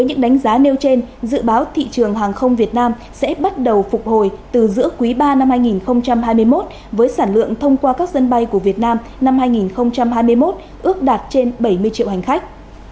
những đánh giá nêu trên dự báo thị trường hàng không việt nam sẽ bắt đầu phục hồi từ giữa quý ba năm hai nghìn hai mươi một với sản lượng thông qua các sân bay của việt nam năm hai nghìn hai mươi một ước đạt trên bảy mươi triệu hành khách